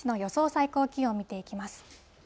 最高気温を見ていきます。